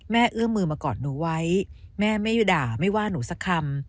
เอื้อมมือมากอดหนูไว้แม่ไม่ด่าไม่ว่าหนูสักคำ